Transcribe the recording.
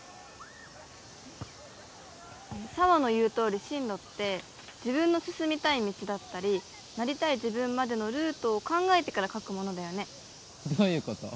紗羽の言うとおり進路って自分の進みたい道だったりなりたい自分までのルートを考えてから書くものだよねどういうこと？